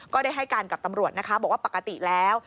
ได้ให้การกับตำรวจนะคะบอกว่าปกติแล้ว